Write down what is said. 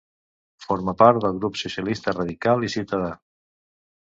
Forma part del grup socialista, radical i ciutadà.